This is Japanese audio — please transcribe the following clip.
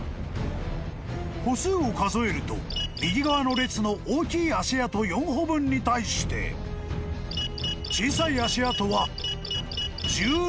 ［歩数を数えると右側の列の大きい足跡４歩分に対して小さい足跡は１２歩］